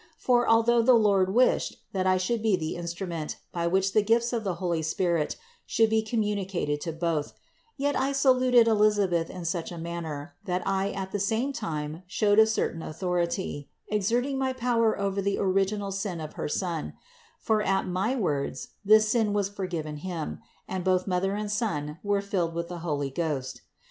For, although the Lord 242 CITY OP GOD wished, that I should be the instrument, by which the gifts of the holy Spirit should be communicated to both; yet I saluted Elisabeth in such a manner, that I at the same time showed a certain authority, exerting my power over the original sin of her son; for at my words this sin was forgiven him, and both mother and son were rilled with the Holy Ghost.